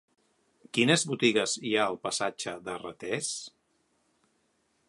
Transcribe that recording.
Quines botigues hi ha al passatge de Ratés?